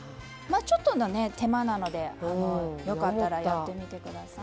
ちょっとの手間なのでよかったらやってみてください。